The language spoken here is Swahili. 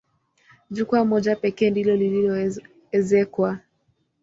Jukwaa moja pekee ndilo lililoezekwa.